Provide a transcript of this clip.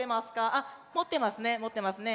あっもってますねもってますね。